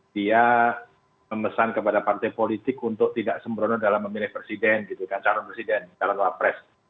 dia memesan kepada partai politik untuk tidak sembrono dalam memilih presiden gitu kan calon presiden calon wapres